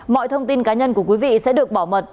mọi thông tin cá nhân của quý vị sẽ được bảo mật